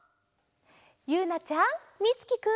ゆうなちゃんみつきくん。